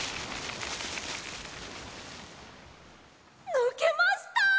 「ぬけました！」